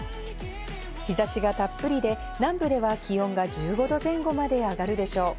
日差しがたっぷりで、南部では気温が１５度前後まで上がるでしょう。